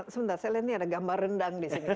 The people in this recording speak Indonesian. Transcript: sebentar saya lihat ini ada gambar rendang di sini